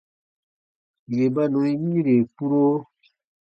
Yè ba nùn yiire kpuro.